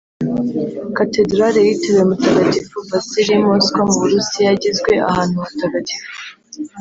Cathedral yitiriwe mutagatifu Basil y’I Moscow mu burusiya yagizwe ahantu hatagatifu